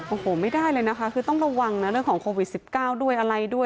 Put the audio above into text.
โอ้โหไม่ได้เลยนะคะคือต้องระวังนะเรื่องของโควิด๑๙ด้วยอะไรด้วย